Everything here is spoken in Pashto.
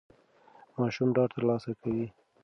ماشوم ډاډ ترلاسه کوي.